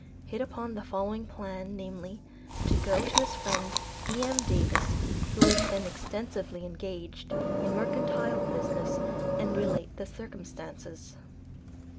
hit upon the following plan, namely, to go to his friend, E.M. Davis,[A] who was then extensively engaged in mercantile business, and relate the circumstances.